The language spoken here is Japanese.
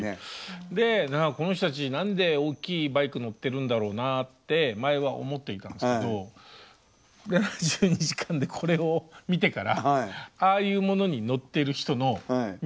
でこの人たち何で大きいバイク乗ってるんだろうなって前は思っていたんですけど「７２時間」でこれを見てからああいうものに乗ってる人の見方が変わったんです。